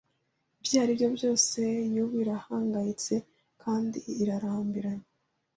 Ibyo aribyo byose isaha y'ubu irahangayitse kandi irarambiranye